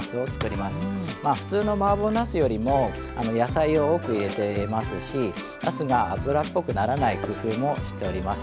ふつうのマーボーなすよりも野菜を多く入れてますしなすが油っぽくならない工夫もしております。